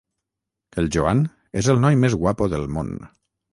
El Joan és el noi més guapo del món.